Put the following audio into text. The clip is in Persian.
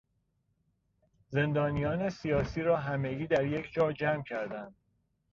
زندانیان سیاسی را همگی در یک جا جمع کردند.